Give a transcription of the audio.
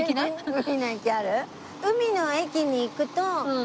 海の駅ある？